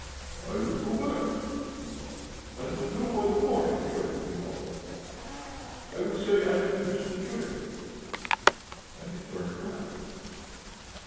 "I will go back," he thought, "and will go by the morning train to morrow.... I will say I have missed the train." And he turned back....